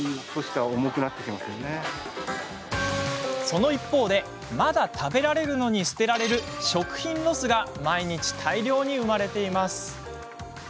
その一方で、まだ食べられるのに捨てられる食品ロスが毎日、大量に生まれています。